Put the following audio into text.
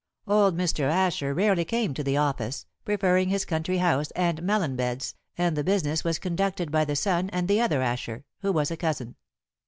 Old Mr. Asher rarely came to the office, preferring his country house and melon beds, and the business was conducted by the son and the other Asher, who was a cousin.